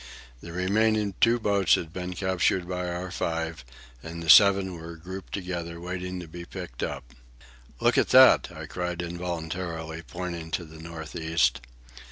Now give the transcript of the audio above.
The remaining two boats had been captured by our five, and the seven were grouped together, waiting to be picked up. "Look at that!" I cried involuntarily, pointing to the north east.